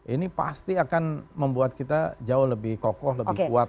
ini pasti akan membuat kita jauh lebih kokoh lebih kuat